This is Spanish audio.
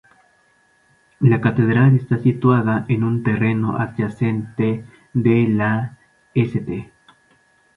La catedral está situada en un terreno adyacente a la St.